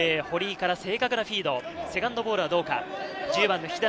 堀井から正確なフィード、セカンドボールはどうか。